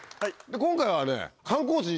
今回はね。